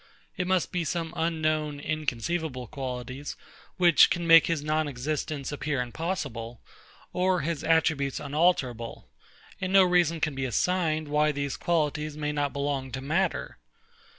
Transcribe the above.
It must be some unknown, inconceivable qualities, which can make his non existence appear impossible, or his attributes unalterable: And no reason can be assigned, why these qualities may not belong to matter.